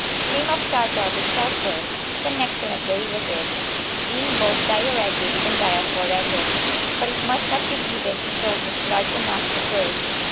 Cream of tartar with sulphur is an excellent derivative, being both diuretic and diaphoretic, but it must not be given in doses large enough to purge.